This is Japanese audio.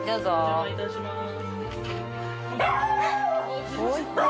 お邪魔いたします。